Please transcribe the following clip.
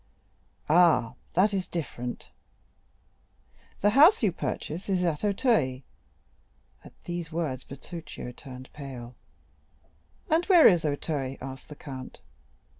"Ah, that is different; the house you purchase is at Auteuil." At these words Bertuccio turned pale. "And where is Auteuil?" asked the count.